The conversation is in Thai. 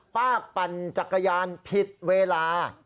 ปั่นจักรยานผิดเวลา